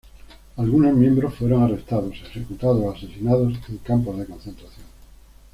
Algunos miembros fueron arrestados, ejecutados o asesinados en campos de concentración.